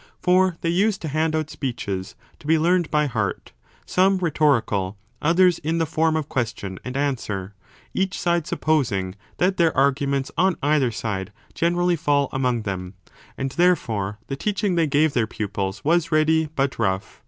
For they used to hand out speeches to be learned by heart, some rhetorical, others in the form of question and answer, each side supposing that their arguments on either side generally fall among them. And i84 a therefore the teaching they gave their pupils was ready but rough.